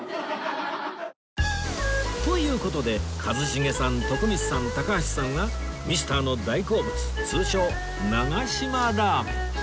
という事で一茂さん徳光さん高橋さんはミスターの大好物通称長嶋ラーメン